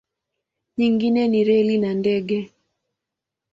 Nyingine ni reli na ndege.